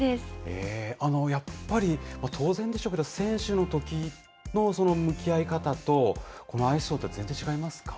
やっぱり、当然でしょうけど、選手のときの向き合い方と、このアイスショーって全然違いますか？